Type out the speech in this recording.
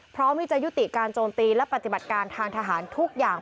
พร้อมที่จะยุติการโจมตีและปฏิบัติการทางทหารทุกอย่าง